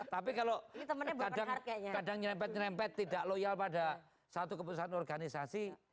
tapi kalau kadang nyerempet nyerempet tidak loyal pada satu keputusan organisasi